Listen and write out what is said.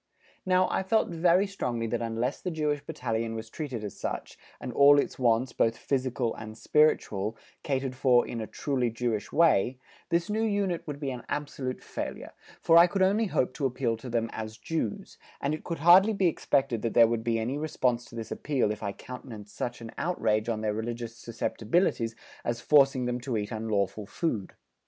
Now I felt very strongly that unless the Jewish Battalion was treated as such, and all its wants, both physical and spiritual, catered for in a truly Jewish way, this new unit would be an absolute failure, for I could only hope to appeal to them as Jews, and it could hardly be expected that there would be any response to this appeal if I countenanced such an outrage on their religious susceptibilities as forcing them to eat unlawful food.